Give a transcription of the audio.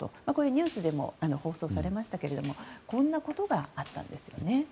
ニュースでも放送されましたがこんなことがあったんですよね。